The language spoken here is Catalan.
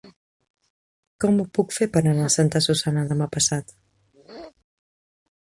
Com ho puc fer per anar a Santa Susanna demà passat?